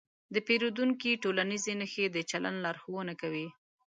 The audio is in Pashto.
د پیریدونکي ټولنیزې نښې د چلند لارښوونه کوي.